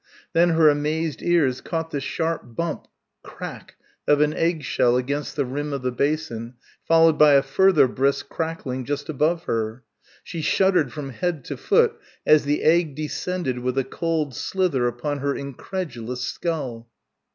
Then her amazed ears caught the sharp bump crack of an eggshell against the rim of the basin, followed by a further brisk crackling just above her. She shuddered from head to foot as the egg descended with a cold slither upon her incredulous skull.